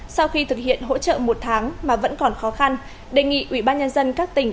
sau khi thực hiện hỗ trợ một tháng mà vẫn còn khó khăn đề nghị ủy ban nhân dân các tỉnh